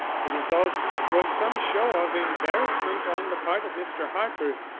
The result was some show of embarrassment on the part of Mr. Harper.